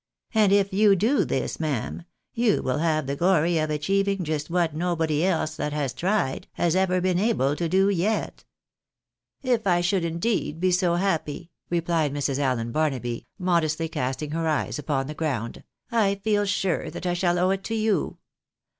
And if you do this, ma'am, you will have the glory of achieving just what nobody else that has tried, has ever been able to do yet." " If I should indeed be so happy," replied Mrs. Allen Barnaby, modestly casting her eyes upon the ground, " I feel sure that I shaU owe it to you.